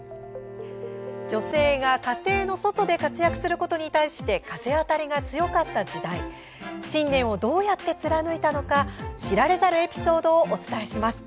女性が家庭の外で活躍することに対して風当たりが強かった時代信念をどうやって貫いたのか知られざるエピソードをお伝えします。